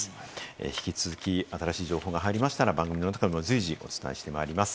引き続き新しい情報が入りましたら、番組の中で随時お伝えしてまいります。